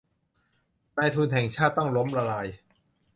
นายทุนแห่งชาติต้องล้มละลาย